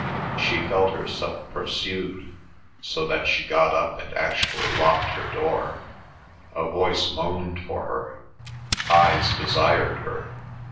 She felt herself pursued, so that she got up and actually locked her door. A voice moaned for her; eyes desired her.